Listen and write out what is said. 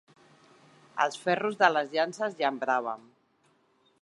Els ferros de les llances llambraven.